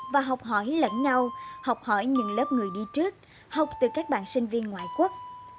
và học hỏi lẫn nhau học hỏi những lớp người đi trước học từ các bạn sinh viên ngoại quốc